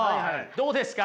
どうですか？